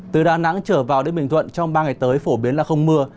từ đà nẵng trở vào đến bình thuận trong ba ngày tới phổ biến là không mưa